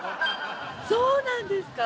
そうなんですか？